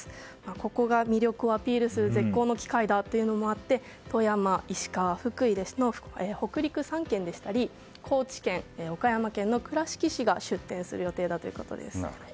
ここが魅力をアピールする絶好の機会とあって富山、石川、福井北陸３県でしたり高知県、岡山県の倉敷市が出店する予定ということです。